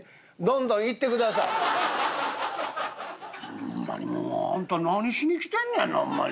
ほんまにもうあんた何しに来てんねんなほんまに。